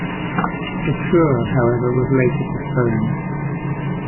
The tour however was later postponed.